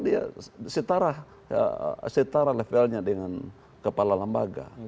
dia setara levelnya dengan kepala lembaga